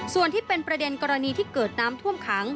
ส่วนที่เป็นประเด็นกรณีที่เกิดน้ำท่วมขัง